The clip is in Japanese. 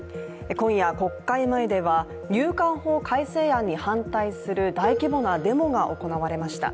今夜、国会前では入管法改正案に反対する大規模なデモが行われました。